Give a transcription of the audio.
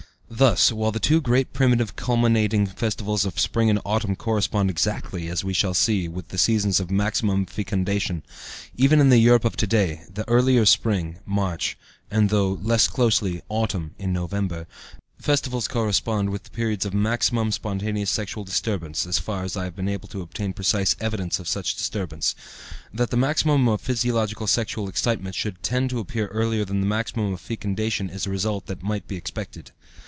Thus, while the two great primitive culminating festivals of spring and autumn correspond exactly (as we shall see) with the seasons of maximum fecundation, even in the Europe of to day, the earlier spring (March) and though less closely autumn (November) festivals correspond with the periods of maximum spontaneous sexual disturbance, as far as I have been able to obtain precise evidence of such disturbance. That the maximum of physiological sexual excitement should tend to appear earlier than the maximum of fecundation is a result that might be expected.